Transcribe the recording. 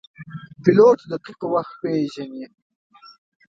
پیلوټ دقیق وخت پیژني.